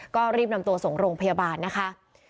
ก็รีบนำตัวส่งโรงพยาบาลนะคะ